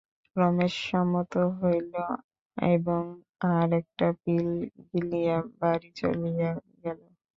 রমেশ সম্মত হইল এবং আর-একটা পিল গিলিয়া বাড়ি চলিয়া গেল।